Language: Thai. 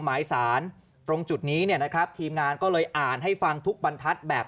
หมายสารตรงจุดนี้เนี่ยนะครับทีมงานก็เลยอ่านให้ฟังทุกบรรทัศน์แบบ